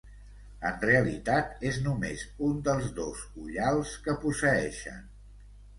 En realitat és només un dels dos ullals que posseeixen.